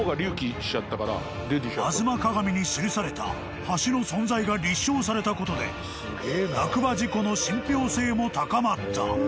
［『吾妻鏡』に記された橋の存在が立証されたことで落馬事故の信ぴょう性も高まった］